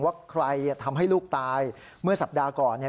ว่าใครทำให้ลูกตายเมื่อสัปดาห์ก่อนเนี่ย